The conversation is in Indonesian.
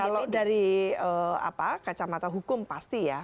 kalau dari kacamata hukum pasti ya